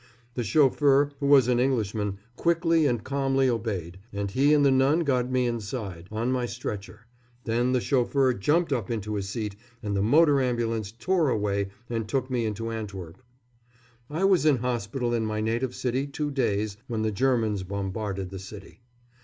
The chauffeur, who was an Englishman, quickly and calmly obeyed, and he and the nun got me inside, on my stretcher; then the chauffeur jumped up into his seat, and the motor ambulance tore away and took me into Antwerp. I was in hospital in my native city two days, when the Germans bombarded the city.